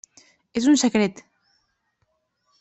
És un secret.